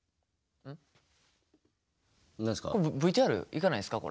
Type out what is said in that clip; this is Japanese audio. ＶＴＲいかないんすか？